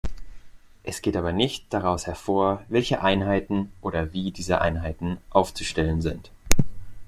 Es geht aber nicht daraus hervor, welche Einheiten oder wie diese Einheiten aufzustellen sind.